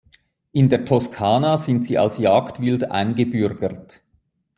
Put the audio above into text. In der Toskana sind sie als Jagdwild eingebürgert.